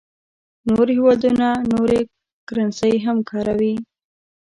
نور هېوادونه نورې کرنسۍ هم کاروي.